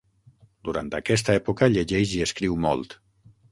Durant aquesta època llegeix i escriu molt.